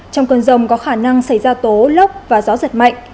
trong cơn rông có khả năng xảy ra tố lốc và gió giật mạnh